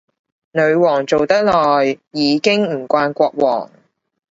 女皇做得耐，已經唔慣國王